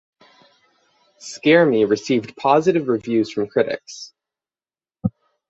Scare Me received positive reviews from critics.